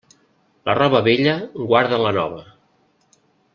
La roba vella guarda la nova.